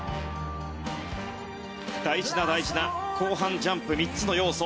大事な大事な後半ジャンプ３つの要素。